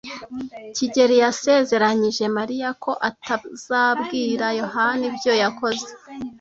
kigeli yasezeranyije Mariya ko atazabwira Yohana ibyo yakoze.